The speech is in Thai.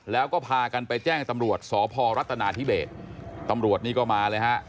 แล้วก็พากันไปแจ้งตำรวจสพรัฐนาธิเบสตำรวจนี่ก็มาเลยฮะ